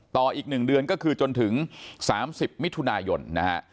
ต่ออีก๑เดือนก็คือจนถึง๓๐มิถุนายนนะฮะ